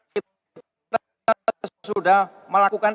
kita sudah melakukan